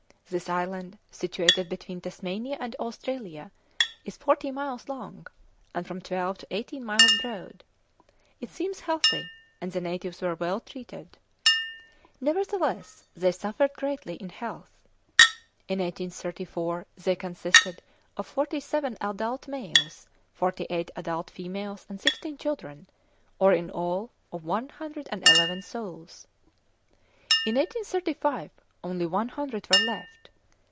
This island, situated between Tasmania and Australia, is forty miles long, and from twelve to eighteen miles broad: it seems healthy, and the natives were well treated. Nevertheless, they suffered greatly in health. In 1834 they consisted (Bonwick, p. 250) of forty seven adult males, forty eight adult females, and sixteen children, or in all of 111 souls. In 1835 only one hundred were left.